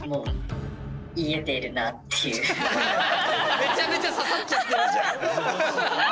めちゃめちゃ刺さっちゃってるじゃん。